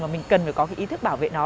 mà mình cần phải có cái ý thức bảo vệ nó